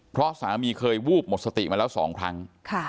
เพราะสามีเคยวูบหมดสติมาแล้ว๒ครั้ง